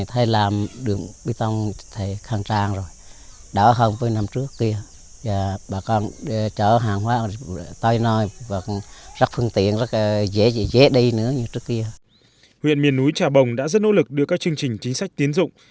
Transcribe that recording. huyện miền núi trà bồng đã rất nỗ lực đưa các chương trình chính sách tiến dụng